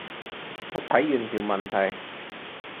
我睇完條問題